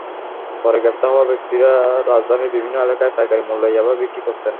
পরে গ্রেপ্তার হওয়া ব্যক্তিরা রাজধানীর বিভিন্ন এলাকায় পাইকারি মূল্যে ইয়াবা বিক্রি করতেন।